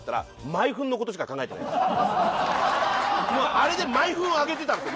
あれで毎分上げてたんですよ